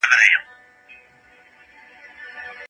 ولي ځيني قريبان ستاسو د ښه ژوند سره موافق ندي؟